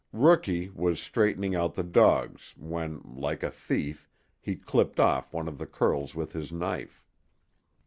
Rookie was straightening out the dogs when, like a thief, he clipped off one of the curls with his knife.